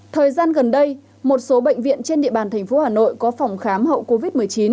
thời gian gần đây một số bệnh viện trên địa bàn thành phố hà nội có phòng khám hậu covid một mươi chín